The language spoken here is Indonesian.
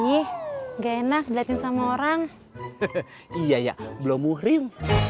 ih enak jatuh sama orang iya ya belum muhrim